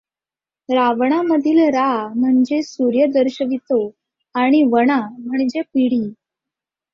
रावणामधील रा म्हणजे सूर्य दर्शवितो आणि वणा म्हणजे पिढी